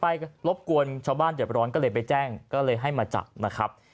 รบกวนชาวบ้านเดือดร้อนก็เลยไปแจ้งก็เลยให้มาจับนะครับ